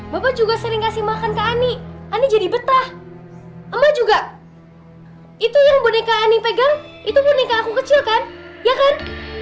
bapak juga sering kasih makan ke ani ani jadi betah emak juga itu yang boneka ani pegang itu boneka aku kecil kan ya kan